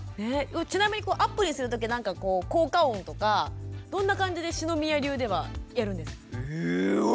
ちなみにアップにする時は何か効果音とかどんな感じで篠宮流ではやるんですか？